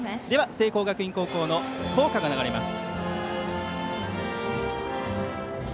聖光学院高校の校歌が流れます。